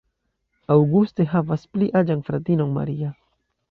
Auguste havas pli aĝan fratinon, Maria.